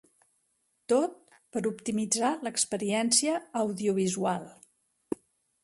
Tot per optimitzar l'experiència audiovisual.